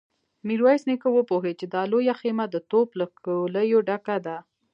ميرويس نيکه وپوهيد چې دا لويه خيمه د توپ له ګوليو ډکه ده.